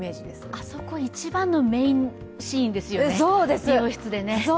あそこ、一番のメインシーンですよね、美容室でね。